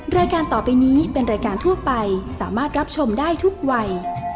รายการต่อไปนี้เป็นรายการทั่วไปสามารถรับชมได้ทุกวัย